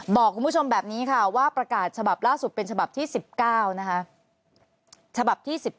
บอกคุณผู้ชมแบบนี้ค่ะว่าประกาศฉบับล่าสุดเป็นฉบับที่๑๙นะคะฉบับที่๑๙